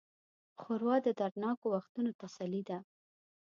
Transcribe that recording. ښوروا د دردناکو وختونو تسلي ده.